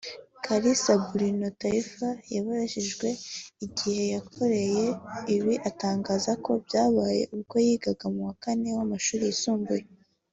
Kalisa Bruno Taifa yabajijwe igihe yakoreye ibi atangaza ko byabaye ubwo yigaga mu wa kane w’amashuri yisumbuye